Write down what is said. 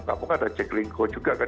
kamu ada cek linko juga kan